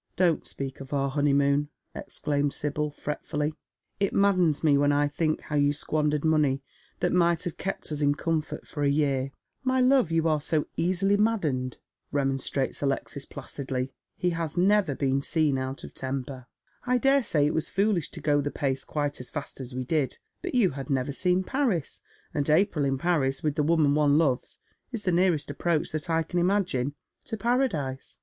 " Don't speak of our honeymoon," exclaimed Sibyl, fretfully. "It maddens me when I think how you squandered money that might have kept us in comfort for a year." " My love, you are 80 easily mad<lened," remonstrates Alexis, "Plunged m tlie Depth of Helpless Poverty.^* 13 placidly — he has never been seen out of temper. " I dare say it was foolish to go the pace quite as fast as we did, but you had never seen Paris, and April in Paris with the woman one loves is the nearest approach that I can imagine to paradise."